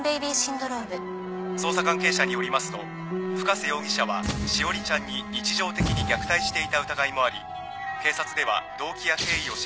捜査関係者によりますと深瀬容疑者は詩織ちゃんに日常的に虐待していた疑いもあり警察では動機や経緯を調べています。